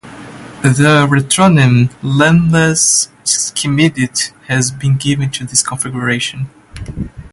The retronym "lensless Schmidt" has been given to this configuration.